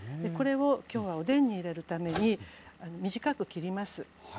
これを今日はおでんに入れるために短く切ります。